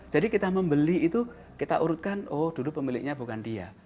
jadi kita membeli itu kita urutkan oh dulu pemiliknya bukan dia